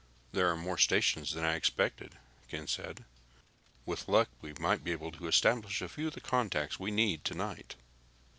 "There are more stations than I expected," Ken said. "With luck, we may be able to establish a few of the contacts we need, tonight."